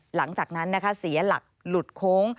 หลังจากนั้นนะคะเสียหลักหลุดโค้ง